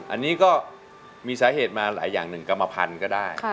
อันนี้ก็มีสาเหตุมาหลายอย่างหนึ่งกรรมพันธุ์ก็ได้